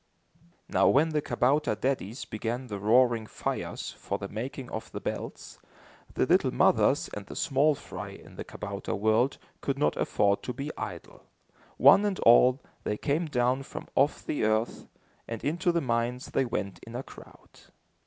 Now when the kabouter daddies began the roaring fires for the making of the bells, the little mothers and the small fry in the kabouter world could not afford to be idle. One and all, they came down from off the earth, and into the mines they went in a crowd.